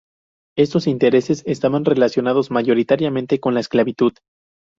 Estos intereses estaban relacionadas mayoritariamente con la esclavitud.